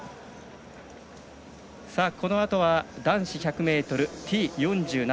このあとは男子１００ｍＴ４７。